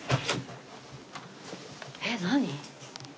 えっ何？